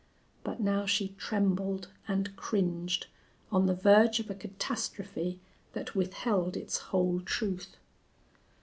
But now she trembled and cringed on the verge of a catastrophe that withheld its whole truth.